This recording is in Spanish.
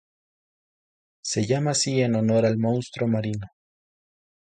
Se llama así en honor al monstruo marino.